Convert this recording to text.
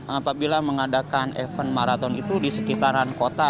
apabila mengadakan event maraton itu di sekitaran kota